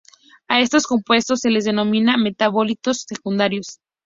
A estos compuestos se les denomina metabolitos secundarios.